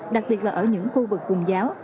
đặc biệt là ở những khu vực quần giáo